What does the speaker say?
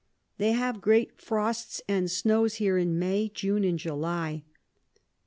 They have great Frosts and Snow here in May, June, and July.